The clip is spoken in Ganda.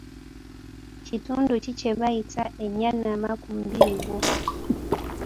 Kitundu ki kye bayita ennyanama ku mubiri gwo?